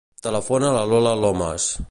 Telefona a la Lola Lomas.